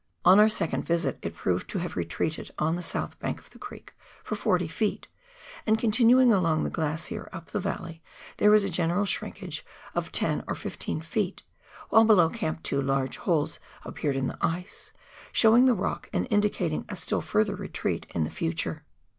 On our second visit it proved to have retreated on the south bank of the creek for 40 ft. ; and continuing along the glacier up the valley, there was a general shrinkage of 10 or 15 ft., while below Camp 2, large holes appeared in the ice, showing the rock and indicating a still further retreat in the future.